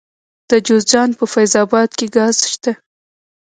د جوزجان په فیض اباد کې ګاز شته.